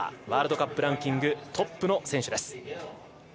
ワールドカップランキングトップの選手です。